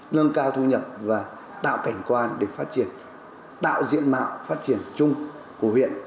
nâng cao thu nhập và tạo cảnh quan để phát triển tạo diện mạo phát triển chung của huyện